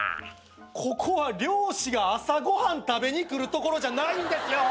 ここは漁師が朝ご飯食べに来る所じゃないんですよ！